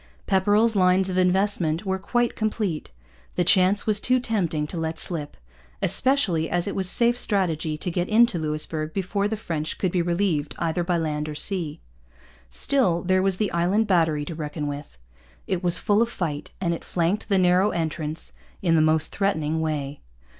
Pepperrell's lines of investment were quite complete. The chance was too tempting to let slip, especially as it was safe strategy to get into Louisbourg before the French could be relieved either by land or sea. Still, there was the Island Battery to reckon with. It was full of fight, and it flanked the narrow entrance in the most threatening way.